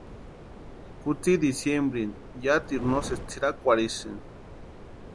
Kutsï diciembrini yátiru no sési tsʼirakwarhisïni.